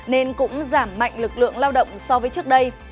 nên cũng giảm mạnh lực lượng lao động so với trước đây